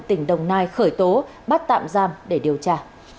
tỉnh đồng nai khởi tố bắt tạm giam để điều tra